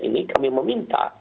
ini kami meminta